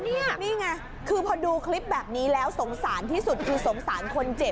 นี่ไงคือพอดูคลิปแบบนี้แล้วสงสารที่สุดคือสงสารคนเจ็บ